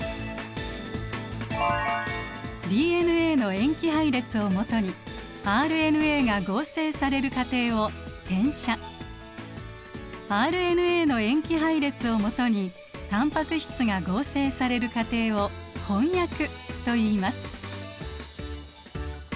ＤＮＡの塩基配列をもとにＲＮＡが合成される過程を「転写」ＲＮＡの塩基配列をもとにタンパク質が合成される過程を「翻訳」といいます。